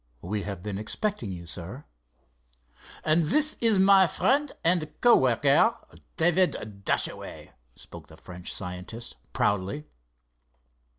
We have been expecting you, sir." "And this is my friend and co worker, David Dashaway," spoke the French scientist, proudly.